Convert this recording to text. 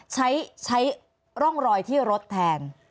ใช้ร่องรอยที่รถแทน